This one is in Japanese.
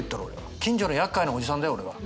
近所のやっかいなおじさんだよ俺は。